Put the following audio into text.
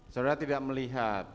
saudara tidak melihat